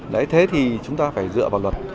đấy thế thì chúng ta phải dựa vào luật